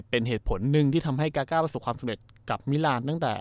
นั่นแหละครับยังเด็กมากนะ